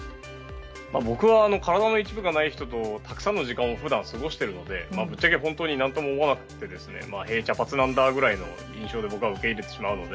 僕は体の一部がない人とたくさんの時間を普段過ごしているのでぶっちゃけ本当に何とも思わなくてへー、茶髪なんだくらいの印象で僕は受け入れてしまうので。